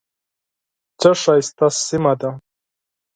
څه ښایسته سیمه ده .